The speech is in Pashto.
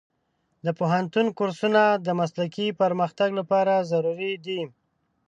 د پوهنتون کورسونه د مسلکي پرمختګ لپاره ضروري دي.